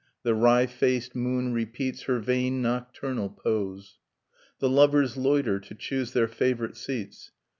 The wry faced moon repeats Her vain nocturnal pose. The lovers loiter to choose their favorite seats.